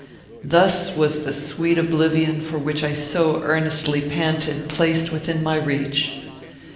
Thus was the sweet oblivion for which I so earnestly panted placed within my reach.